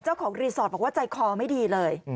เจ้าของรีสอร์ทบอกว่าใจคอไม่ดีเลย